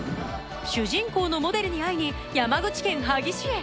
主人公のモデルに会いに山口県萩市へ